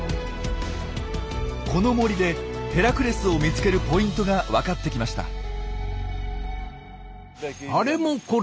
この森でヘラクレスを見つけるポイントが分かってきました。